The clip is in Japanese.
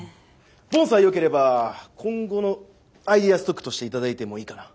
ボンさえよければ今後のアイデアストックとして頂いてもいいかな。